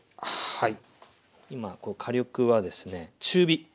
はい。